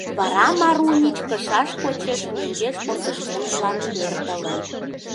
Вара Марунич кышаж почеш мӧҥгеш портышкемжылан пӧртылын.